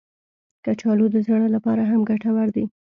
کچالو د زړه لپاره هم ګټور دي